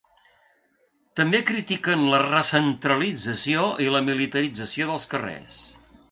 També critiquen la recentralització i la militarització dels carrers.